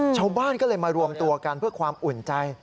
ชาวบ้านก็เลยมารวมตัวกันเพื่อความอุ่นใจ